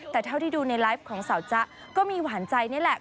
แต่เท่าที่ดูในไลฟ์ของสาวจ๊ะก็มีหวานใจนี่แหละ